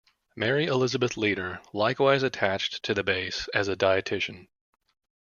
Mary Elizabeth Leader, likewise attached to the base as a dietitian.